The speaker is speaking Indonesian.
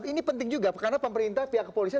ini penting juga karena pemerintah pihak kepolisian